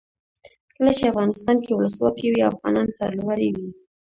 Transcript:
کله چې افغانستان کې ولسواکي وي افغانان سرلوړي وي.